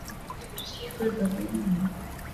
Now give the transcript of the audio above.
Tushikuye bazaifu sana mu kaji yaku rima